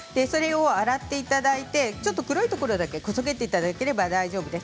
洗っていただいて黒いところだけ、こそげていただければ大丈夫です。